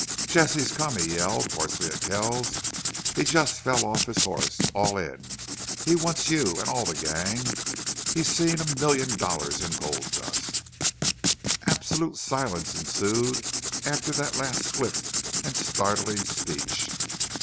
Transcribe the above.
"Jesse's come!" he yelled, hoarsely, at Kells. "He jest fell off his hoss all in! He wants you an' all the gang! He's seen a million dollars in gold dust!" Absolute silence ensued after that last swift and startling speech.